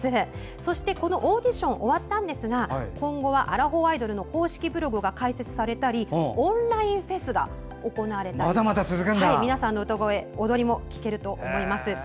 そして、オーディションは終わったんですが今後はアラフォーアイドルの公式ブログが開設されたりオンラインフェスが行われたり皆さんの歌声、踊りも聴けると思います。